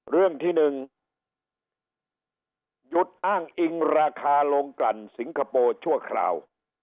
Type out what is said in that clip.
เรื่องที่๑หยุดอ้างอิงราคาลงกลั่นสิงคโปร์ชั่วคราว